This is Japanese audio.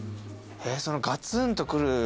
そのガツンとくるの。